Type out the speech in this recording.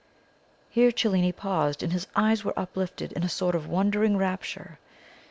Here Cellini paused, and his eyes were uplifted in a sort of wondering rapture.